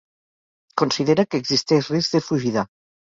Considera que existeix risc de fugida.